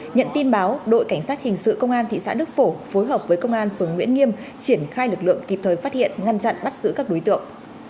nhận tin báo đội cảnh sát hình sự công an thị xã đức phổ phối hợp với công an phường nguyễn nghiêm triển khai lực lượng kịp thời phát hiện ngăn chặn bắt giữ các đối tượng